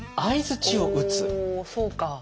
おそうか。